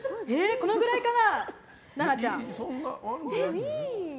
このぐらいかな。